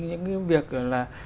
những cái việc là